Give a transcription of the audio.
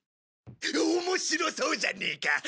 面白そうじゃねえかよこせ！